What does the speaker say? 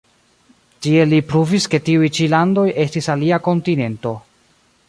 Tiel li pruvis ke tiuj ĉi landoj estis alia kontinento.